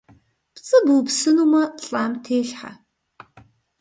ПцIы бупсынумэ лIам телъхьэ.